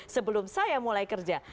sebelum saya mulai kerja